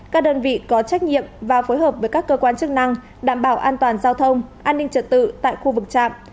các đơn vị có trách nhiệm và phối hợp với các cơ quan chức năng đảm bảo an toàn giao thông an ninh trật tự tại khu vực trạm